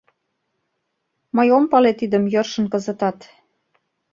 Мый ом пале тидым йӧршын кызытат.